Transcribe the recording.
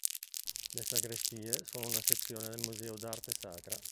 Le Sagrestie sono una sezione del Museo d'arte sacra.